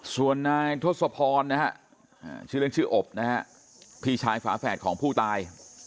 ส่วนตาทดสบความรู้สึกนายทหรับ้อนนะชื่อชื่ออบนะพี่ชายฝาแฝดของผู้ตาย